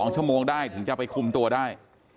๒ชั่วโมงได้ถึงจะไปคุมตัวได้